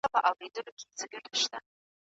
اقتصاد به ورو ورو ښه سي.